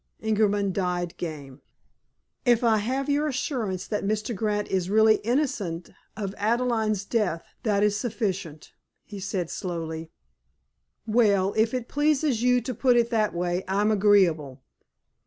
Ingerman died game. "If I have your assurance that Mr. Grant is really innocent of Adelaide's death, that is sufficient," he said slowly. "Well, if it pleases you to put it that way, I'm agreeable.